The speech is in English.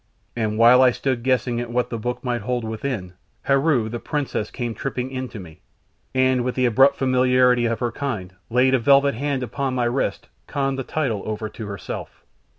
And while I stood guessing at what the book might hold within, Heru, the princess, came tripping in to me, and with the abrupt familiarity of her kind, laid a velvet hand upon my wrist, conned the title over to herself.